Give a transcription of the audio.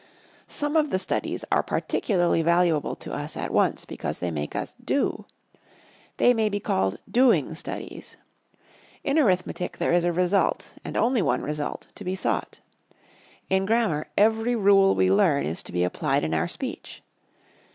Some of the studies are particularly valuable to us at once because they make us do. They may be called doing studies. In Arithmetic there is a result, and only one result, to be sought. In Grammar every rule we learn is to be applied in our speech.